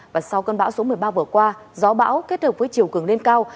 và sau cơn bão số một mươi ba vừa qua gió bão kết hợp với chiều cường lên cao